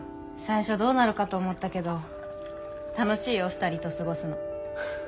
最初どうなるかと思ったけど楽しいよ２人と過ごすの。